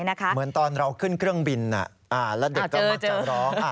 เหมือนตอนเราขึ้นเครื่องบินแล้วเด็กก็มักจะร้อง